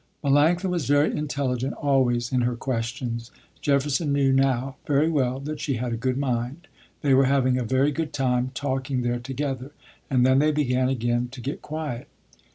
Melanctha was very intelligent always in her questions. Jefferson knew now very well that she had a good mind. They were having a very good time, talking there together. And then they began again to get quiet.